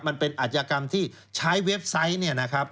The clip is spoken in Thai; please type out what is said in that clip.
มันเป็นอาชญากรรมที่ใช้เว็บไซต์เนี่ยนะครับ